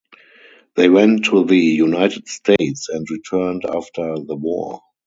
They went to the United States and returned after the war.